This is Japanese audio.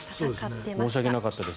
申し訳なかったです。